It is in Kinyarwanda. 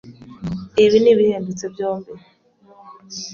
Ibi nibihendutse byombi.